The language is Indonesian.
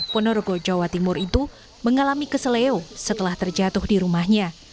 ponorogo jawa timur itu mengalami keseleo setelah terjatuh di rumahnya